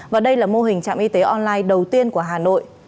và đây là mô hình trạm y tế online đầu tiên của hà nội